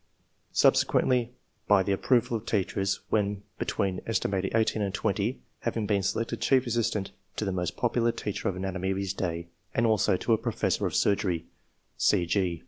Subsequently, by the approval of teachers, when between aet. 18 and 20, having been selected chief assistant to the most popular teacher of anatomy of his day, and also to a professor of surgery."